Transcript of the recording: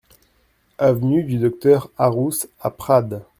Avenue du Docteur Arrous à Prades